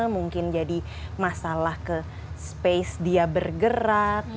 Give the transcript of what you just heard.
mungkin jadi masalah ke space dia bergerak